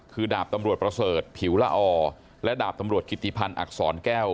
คือดาบตำรวจประเสริฐผิวละอและดาบตำรวจกิติพันธ์อักษรแก้ว